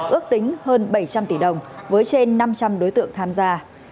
ước tính hơn bảy trăm linh tỷ đồng với trên năm trăm linh đối tượng tham gia